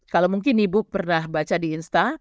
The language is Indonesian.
kalau mungkin ibu pernah baca di insta